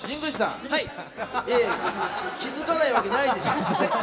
いや、気づかないわけないでしょ。